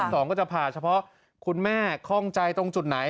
สองก็จะผ่าเฉพาะคุณแม่ข้องใจตรงจุดไหน